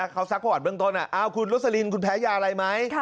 เขาซักประวัติเบื้องต้นคุณโรสลินคุณแพ้ยาอะไรไหม